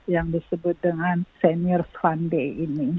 yang disebut dengan seniors fund day ini